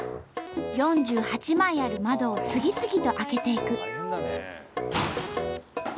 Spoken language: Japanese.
４８枚ある窓を次々と開けていく。